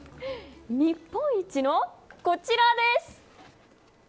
日本一の、こちらです。